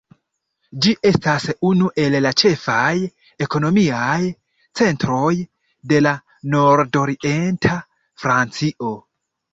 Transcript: Ĝi estas unu el la ĉefaj ekonomiaj centroj de la nordorienta Francio.